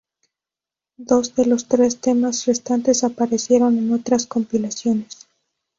Dos de los tres temas restantes aparecieron en otras compilaciones.